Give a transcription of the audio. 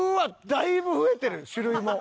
だいぶ増えてる種類も。